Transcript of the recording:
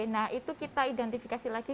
nah itu kita identifikasi lagi